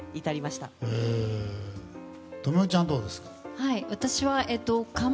知世ちゃんはどうですか？